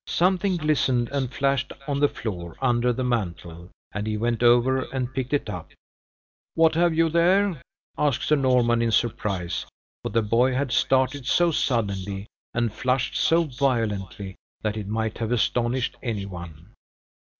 Something glistened and flashed on the floor, under the mantel, and he went over and picked it up. "What have you there?" asked Sir Norman in surprise; for the boy had started so suddenly, and flushed so violently, that it might have astonished any one.